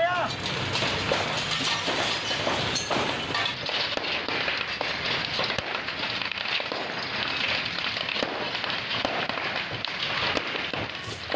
โอ้โห